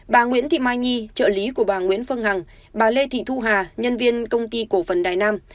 bà nguyễn thị mai nhi trợ lý của bà nguyễn phương hằng bà lê thị thu hà nhân viên công ty cổ phần đài nam